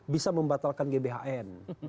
bisa membatalkan gbhn